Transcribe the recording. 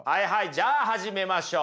じゃあ始めましょう。